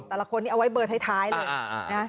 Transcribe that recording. แต่ละคนนี้เอาไว้เบอร์ท้ายเลยนะ